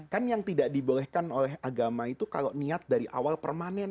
kan yang tidak dibolehkan oleh agama itu kalau niat dari awal permanen